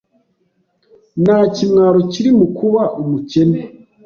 Nta kimwaro kiri mu kuba umukene.